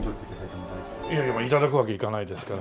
いやいや頂くわけいかないですから。